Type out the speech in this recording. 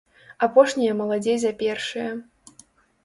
Апошнія маладзей за першыя.